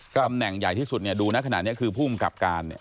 ตำแหน่งใหญ่ที่สุดดูนะขนาดนี้คือผู้กำกับการ